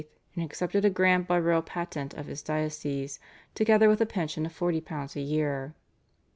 and accepted a grant by royal patent of his diocese, together with a pension of £40 a year.